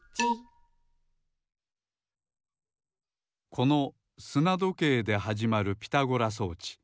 このすなどけいではじまるピタゴラ装置